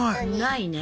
ないね。